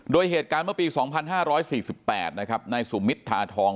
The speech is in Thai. โดยเหตุการณ์เมื่อปี๒๕๔๘ในสุมมิตรทาทอง